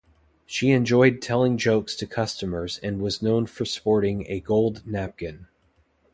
She enjoyed telling jokes to customers and was known for sporting a gold napkin.